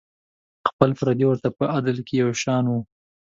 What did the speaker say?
خپل پردي ورته په عدل کې یو شان وو.